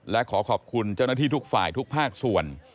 และขอขอบคุณเจ้าหน้าที่ทุกฝ่ายทุกภาคส่วน